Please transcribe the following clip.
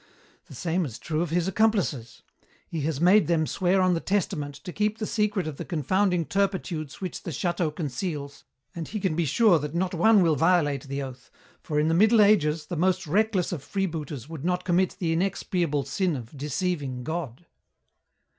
The same is true of his accomplices. He has made them swear on the Testament to keep the secret of the confounding turpitudes which the château conceals, and he can be sure that not one will violate the oath, for, in the Middle Ages, the most reckless of freebooters would not commit the inexpiable sin of deceiving God.